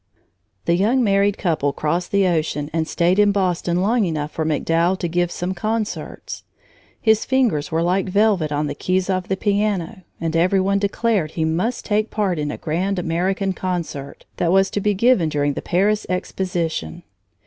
The young married couple crossed the ocean and stayed in Boston long enough for MacDowell to give some concerts. His fingers were like velvet on the keys of the piano, and every one declared he must take part in a grand American concert that was to be given during the Paris Exposition.